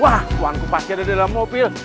wah tuanku masih ada dalam mobil